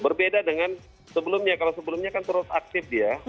berbeda dengan sebelumnya kalau sebelumnya kan terus aktif dia